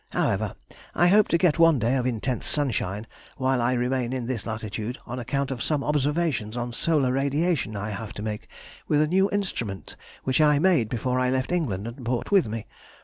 However, I hope to get one day of intense sunshine while I remain in this latitude on account of some observations on solar radiation I have to make with a new instrument which I made before I left England, and brought with me.